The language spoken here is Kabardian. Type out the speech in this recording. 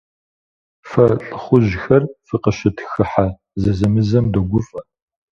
Фэ лӀыхъужьхэр фыкъыщытхыхьэ зэзэмызэм догуфӀэ.